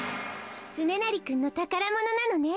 つねなりくんのたからものなのね。